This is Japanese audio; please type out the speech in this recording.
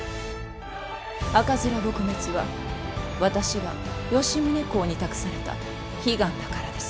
赤面撲滅は私が吉宗公に託された悲願だからです。